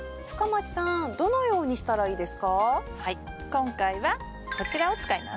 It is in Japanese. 今回はこちらを使います。